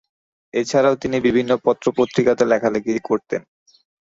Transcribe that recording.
এছাড়াও তিনি বিভিন্ন পত্র-পত্রিকাতে লেখালেখি করতেন।